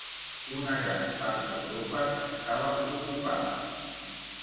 Una gran part d'Europa estava ocupada.